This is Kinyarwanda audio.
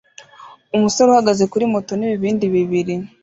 Umusore uhagaze kuri moto n'ibibindi bibiri